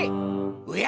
おや！